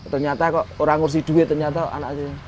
ternyata kok orang ngurusi duit ternyata anak itu